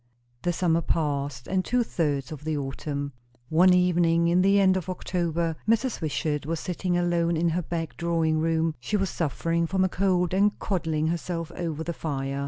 The summer passed, and two thirds of the autumn. One evening in the end of October, Mrs. Wishart was sitting alone in her back drawing room. She was suffering from a cold, and coddling herself over the fire.